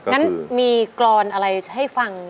งั้นมีกรอนอะไรให้ฟัง